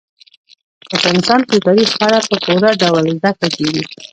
په افغانستان کې د تاریخ په اړه په پوره ډول زده کړه کېږي.